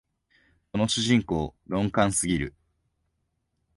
この主人公、鈍感すぎる